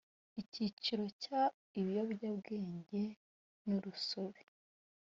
icyiciro cya ibiyobyabwenge n urusobe